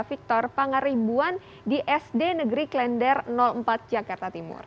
victor pangaribuan di sd negeri klender empat jakarta timur